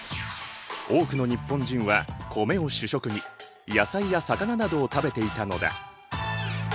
多くの日本人は米を主食に野菜や魚などを食べていたのだ。